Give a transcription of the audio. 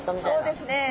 そうですね。